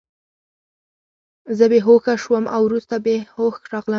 زه بې هوښه شوم او وروسته په هوښ راغلم